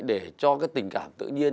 để cho cái tình cảm tự nhiên